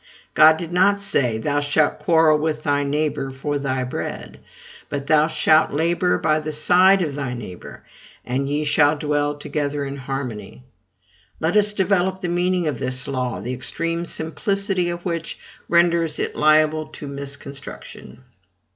God did not say, "Thou shalt quarrel with thy neighbor for thy bread;" but, "Thou shalt labor by the side of thy neighbor, and ye shall dwell together in harmony." Let us develop the meaning of this law, the extreme simplicity of which renders it liable to misconstruction.